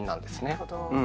なるほど。